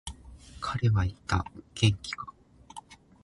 彼は言った、元気か。